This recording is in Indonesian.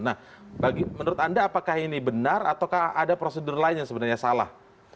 nah menurut anda apakah ini benar ataukah ada prosedur lain yang sebenarnya salah